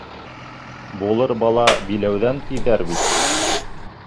Булыр бала — биләүҙән, тиҙәр бит.